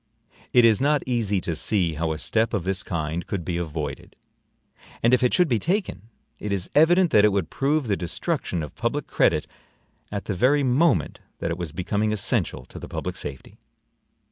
It is not easy to see how a step of this kind could be avoided; and if it should be taken, it is evident that it would prove the destruction of public credit at the very moment that it was becoming essential to the public safety.